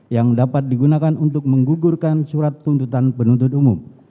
yang dapat digunakan untuk menggugurkan surat tuntutan penuntut umum